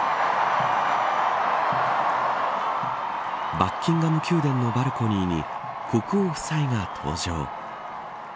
バッキンガム宮殿のバルコニーに国王夫妻が登場。